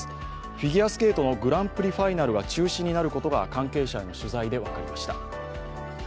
フィギュアスケートのグランプリファイナルが中止になることが関係者への取材で分かりました。